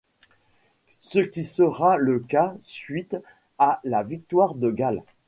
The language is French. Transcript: Ce qui sera le cas suite à la victoire de Gall.